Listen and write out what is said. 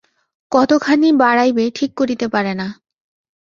কতখানি বাড়াইবে ঠিক করিতে পারে না।